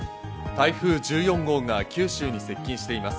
台風１４号が九州に接近しています。